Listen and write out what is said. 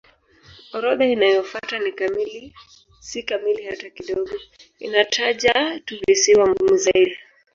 Orodha inayofuata si kamili hata kidogo; inataja tu visiwa muhimu zaidi.